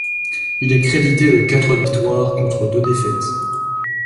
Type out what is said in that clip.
Il est crédité de quatre victoires, contre deux défaites.